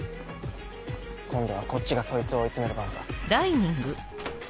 今度はこっちがそいつを追い詰める番さ。